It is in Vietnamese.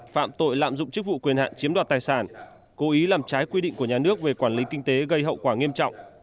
phạm tội lạm dụng chức vụ quyền hạn chiếm đoạt tài sản cố ý làm trái quy định của nhà nước về quản lý kinh tế gây hậu quả nghiêm trọng